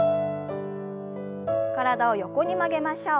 体を横に曲げましょう。